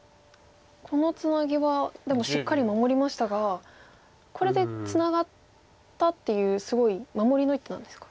このツナギはでもしっかり守りましたがこれでツナがったっていうすごい守りの一手なんですか。